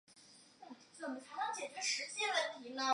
被提举两浙西路常平茶盐公事。